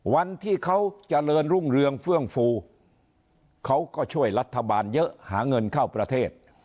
วันที่เขาเจริญรุ่งเรืองเฟื่องฟูเขาก็ช่วยรัฐบาลเยอะหาเงินเข้าประเทศ